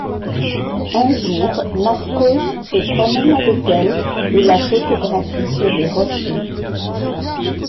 Un jour, Marcos se promène avec elle et la photographie sur les rochers.